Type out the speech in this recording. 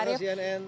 terima kasih ann